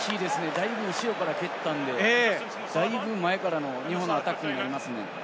だいぶ後ろから蹴ったので、だいぶ前からの日本のアタックになりますね。